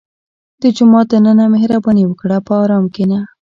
• د جومات دننه مهرباني وکړه، په ارام کښېنه.